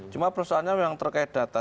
cuma perusahaannya memang terkait data